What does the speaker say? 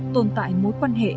tồn tại mối quan hệ